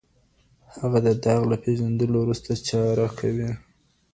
هغه د داغ له پېژندلو وروسته چاره کوي.